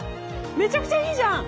めちゃくちゃいいじゃん。